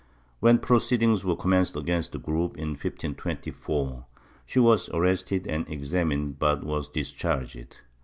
When proceedings were commenced against the group, in 1524, she was arrested and examined but was discharged.